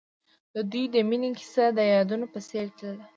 د دوی د مینې کیسه د یادونه په څېر تلله.